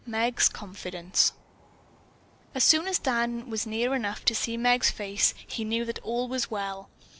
MEG'S CONFIDENCE As soon as Dan was near enough to see Meg's face, he knew that all was well.